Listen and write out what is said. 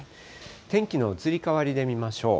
天気の移り変わりで見ましょう。